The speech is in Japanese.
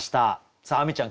さあ亜美ちゃん